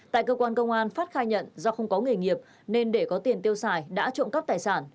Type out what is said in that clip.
tại cơ quan công an phát khai nhận do không có nghề nghiệp nên để có tiền tiêu xài đã trộm cắp tài sản